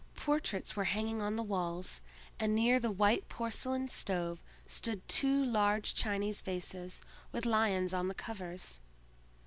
Portraits were hanging on the walls, and near the white porcelain stove stood two large Chinese vases with lions on the covers.